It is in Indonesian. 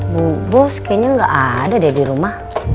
bu bos kayaknya nggak ada deh di rumah